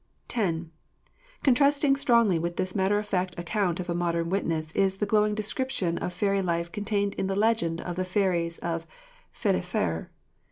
FOOTNOTE: Jones, 'Apparitions.' X. Contrasting strongly with this matter of fact account of a modern witness is the glowing description of fairy life contained in the legend of the Fairies of Frennifawr.